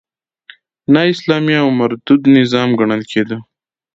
نا اسلامي او مردود نظام ګڼل کېده.